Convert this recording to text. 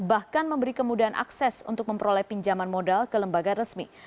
bahkan memberi kemudahan akses untuk memperoleh pinjaman modal ke lembaga resmi